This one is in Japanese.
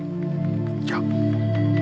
じゃあ。